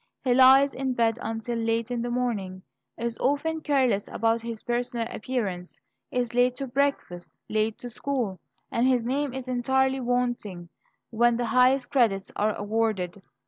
He lies in bed until late in the morning, is often careless about his personal appearance, is late to breakfast, late to school, and his name is entirely wanting when the highest credits are awarded.